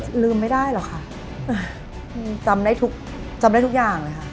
อืมลืมไม่ได้หรอกค่ะจำได้ทุกอย่างเลยค่ะ